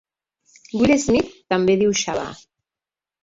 Will Smith també diu Shabba!